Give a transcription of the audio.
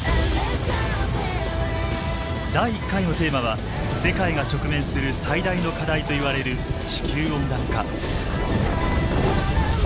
第１回のテーマは世界が直面する最大の課題といわれる地球温暖化。